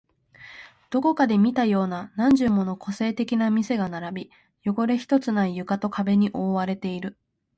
どこかで見たような何十もの個性的な店が並び、汚れ一つない床と壁に覆われている